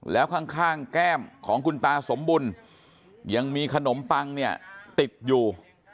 แล้วข้างแก้มของคุณตาสมบุญยังมีขนมปังเนี่ยติดอยู่